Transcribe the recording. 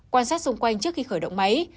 quan sát xung quanh trước khi khởi động máy